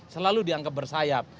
selalu dianggap bersayap